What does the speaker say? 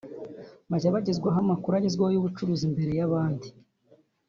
bazajya bagezwaho amakuru agezweho y’ubucuruzi mbere y’abandi